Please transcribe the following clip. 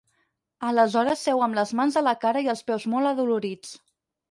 Aleshores seu amb les mans a la cara i els peus molt adolorits.